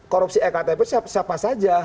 korupsi ektp siapa saja